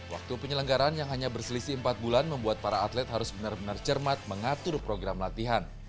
waktu penyelenggaran yang hanya berselisih empat bulan membuat para atlet harus benar benar cermat mengatur program latihan